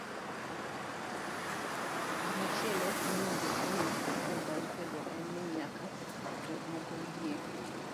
Gimachielo monego ing'e kuom barupego en ni nyaka jok moko yie